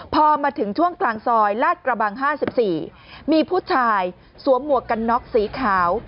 พอมาถึงช่วงกลางซอยลาดกระบัง๕๔มีผู้ชายสวมหมวกกันน็อกสีขาว